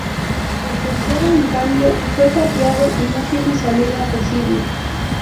El tercero, en cambio, fue tapiado y no tiene salida posible.